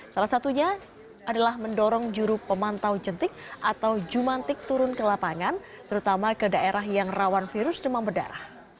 salah satunya adalah mendorong juru pemantau jentik atau jumantik turun ke lapangan terutama ke daerah yang rawan virus demam berdarah